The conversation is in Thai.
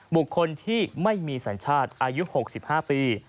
บุคคลที่ไม่มีสัญชาติอายุ๖๕ปี